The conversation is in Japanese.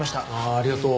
ありがとう。